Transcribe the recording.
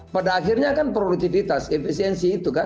pada akhirnya kan produktivitas efisiensi itu kan